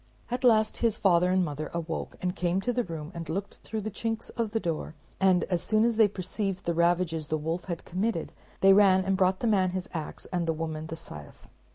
At last his father and mother awoke, and came to the room and looked through the chinks of the door; and as soon as they perceived the ravages the wolf had committed, they ran and brought the man his ax and the woman the scythe.